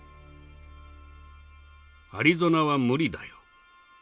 アリゾナは無理だよ。